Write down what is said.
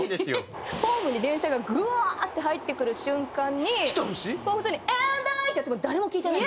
ホームに電車がグワーッて入ってくる瞬間にもう普通に「ＡｎｄＩ」ってやっても誰も聞いてない。